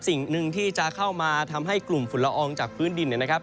สิ่งหนึ่งที่จะเข้ามาทำให้กลุ่มฝุ่นละอองจากพื้นดินเนี่ยนะครับ